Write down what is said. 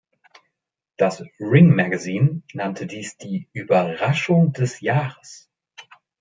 Das „Ring Magazine“ nannte dies die „Überraschung des Jahres“.